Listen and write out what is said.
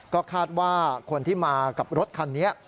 ก็คาดว่าคนที่มากับรถคันนี้